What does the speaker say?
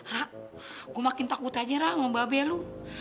ra gue makin takut aja ra sama mbak belu